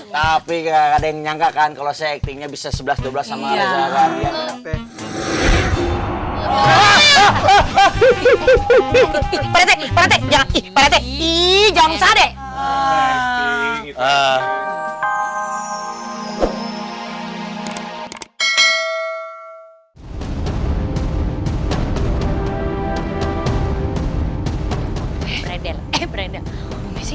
tapi nggak ada yang nyangka kan kalau settingnya bisa seribu satu ratus dua belas sama